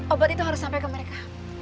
obat itu harus sampai ke mereka